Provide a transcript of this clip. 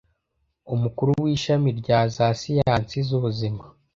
umukuru w'ishami rya za siyansi z'ubuzima